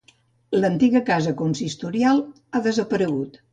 L'antiga casa consistorial ha desaparegut.